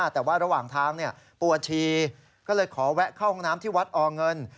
แต่ว่าระหว่างทางปวดชีก็เลยขอแวะเข้าห้องน้ำที่วัดอเงิน